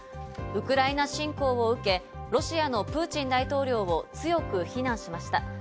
ウクライナ侵攻を受け、ロシアのプーチン大統領を強く非難しました。